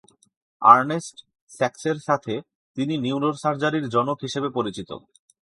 Ernst স্যাক্সের সাথে তিনি নিউরোসার্জারির জনক হিসেবে পরিচিত।